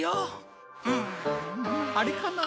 うんあれかな？